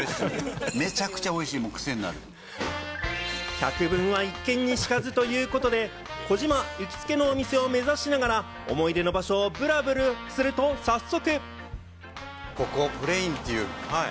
百聞は一見にしかずということで、児嶋行きつけの店を目指しながら、思い出の場所をぶらぶらすると、早速。